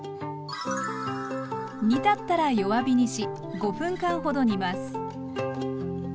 煮立ったら弱火にし５分間ほど煮ます。